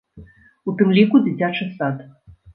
У тым ліку дзіцячы сад.